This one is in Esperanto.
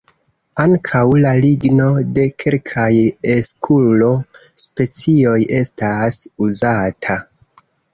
Ankaŭ la ligno de kelkaj "eskulo"-specioj estas uzata.